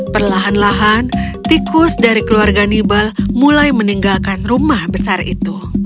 perlahan lahan tikus dari keluarga nibal mulai meninggalkan rumah besar itu